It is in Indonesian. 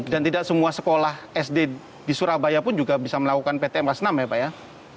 dan tidak semua sekolah sd di surabaya pun juga bisa melakukan ptm kelas enam ya pak